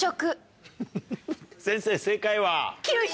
先生正解は？